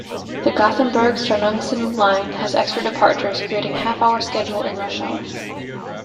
The Gothenburg-Stenungsund line has extra departures creating half-hour schedule in rush hour.